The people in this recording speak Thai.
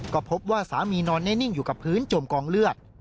ก็พบว่าสามีนอนแน่นิ่งอยู่กับพื้นจมกองเลือด